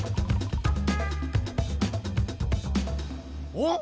おっ！